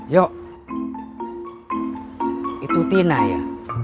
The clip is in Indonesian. yuk itu tina ya